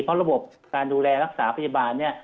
เพราะระบบการดูแลรักษาไฟที่บาง